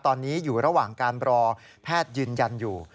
ตอนนี้อยู่ระหว่างการรอแพทย์ยืนยันอยู่